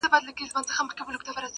په سلګونو یې لرلې له کوترو -